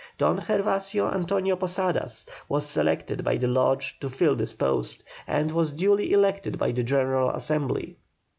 Don Gervasio Antonio Posadas was selected by the Lodge to fill this post, and was duly elected by the General Assembly.